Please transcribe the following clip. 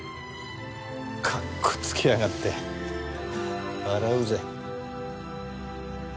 かっこつけやがって笑うぜ。